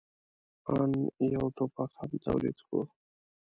آن یو ټوپک هم تولید کړو.